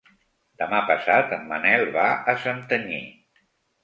Demà passat en Manel va a Santanyí.